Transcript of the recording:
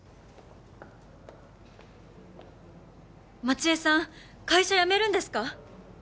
街絵さん会社辞めるんですか